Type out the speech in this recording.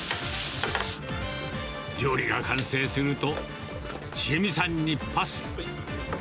料理が完成すると、千栄美さんにパス。